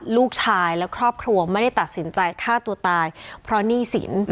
ลูกชายและครอบครัวไม่ได้ตัดสินใจฆ่าตัวตายเพราะหนี้สิน